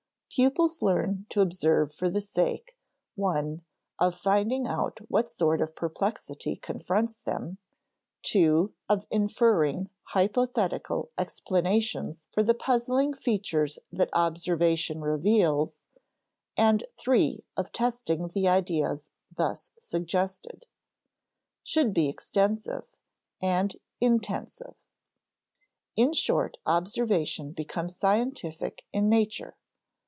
Pupils learn to observe for the sake (i) of finding out what sort of perplexity confronts them; (ii) of inferring hypothetical explanations for the puzzling features that observation reveals; and (iii) of testing the ideas thus suggested. [Sidenote: should be extensive] [Sidenote: and intensive] In short, observation becomes scientific in nature.